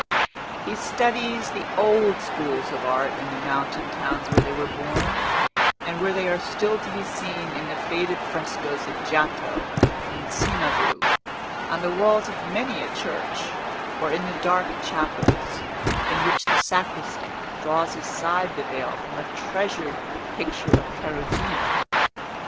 He studies the old schools of art in the mountain towns where they were born, and where they are still to be seen in the faded frescos of Giotto and Cimabue, on the walls of many a church, or in the dark chapels, in which the sacristan draws aside the veil from a treasured picture of Perugino.